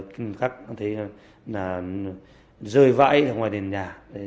kinh khắc thấy rơi vãi ra ngoài đền nhà